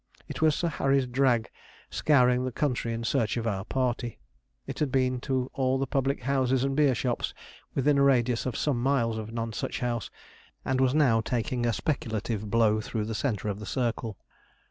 It was Sir Harry's drag scouring the country in search of our party. It had been to all the public houses and beer shops within a radius of some miles of Nonsuch House, and was now taking a speculative blow through the centre of the circle.